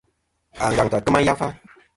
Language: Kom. Angantɨ à kema yafa.